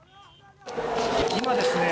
今ですね